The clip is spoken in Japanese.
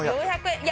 いや